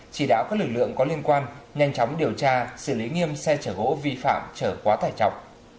chỉ đạo các lực lượng có liên quan nhanh chóng điều tra xử lý nghiêm xe chở gỗ vi phạm trở quá tải trọng